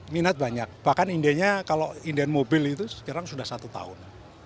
minat banyak bahkan indennya kalau inden mobil itu sekarang sudah satu tahun